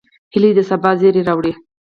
هیلۍ د سبا زیری راوړي